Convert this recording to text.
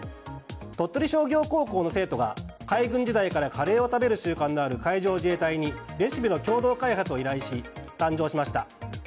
鳥取商業高校の生徒が海軍時代からカレーを食べる習慣のある海上自衛隊にレシピの共同開発を依頼し誕生しました。